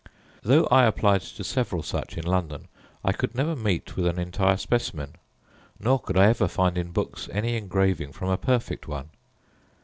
Though I applied to several such in London, I could never meet with an entire specimen; nor could I ever find in books any engraving from a perfect one.